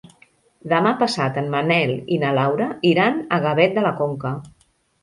Demà passat en Manel i na Laura iran a Gavet de la Conca.